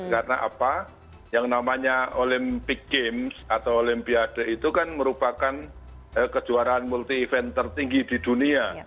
karena apa yang namanya olympic games atau olimpiade itu kan merupakan kejuaraan multi event tertinggi di dunia